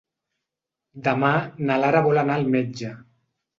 Demà na Lara vol anar al metge.